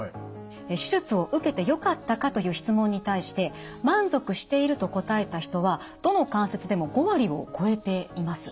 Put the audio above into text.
「手術を受けてよかったか？」という質問に対して「満足している」と答えた人はどの関節でも５割を超えています。